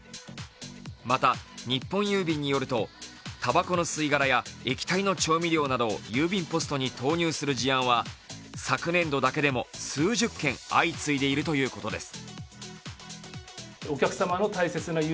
また日本郵便によるとたばこの吸い殻や液体の調味料など郵便ポストに投入する事案は昨年度だけでも数十件相次いでいるということです。